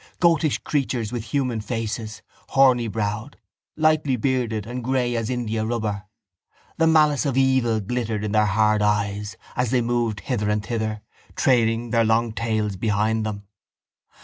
Goatish creatures with human faces, hornybrowed, lightly bearded and grey as indiarubber. The malice of evil glittered in their hard eyes, as they moved hither and thither, trailing their long tails behind them.